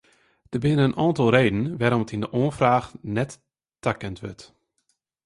Der binne in oantal redenen wêrom't in oanfraach net takend wurdt.